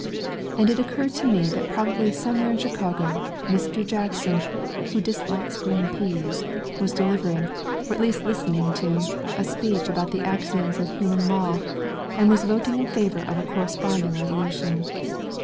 And it occurred to me that probably somewhere in Chicago, Mr. Jackson, "who dislikes green peas," was delivering, or at least listening to, a speech about the axioms of human law, and was voting in favor of a corresponding resolution.